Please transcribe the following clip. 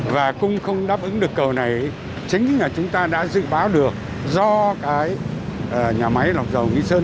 và cung không đáp ứng được cầu này chính là chúng ta đã dự báo được do cái nhà máy lọc dầu nguyễn sơn